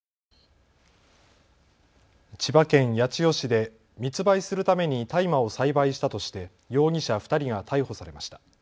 千葉県八千代市で密売するために大麻を栽培したとして容疑者２人が逮捕されました。